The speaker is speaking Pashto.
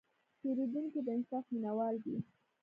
پیرودونکی د انصاف مینهوال دی.